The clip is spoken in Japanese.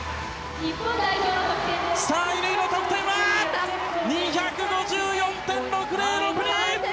さあ、乾の得点は２５４．６０６２！